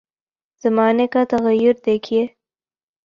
زمانے کا تغیر دیکھیے۔